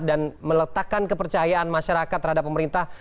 dan meletakkan kepercayaan masyarakat terhadap pemerintah